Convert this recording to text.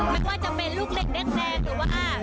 ไม่ว่าจะเป็นลูกเล็กแดงหรือว่า